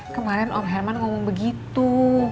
kemarin om herman ngomong begitu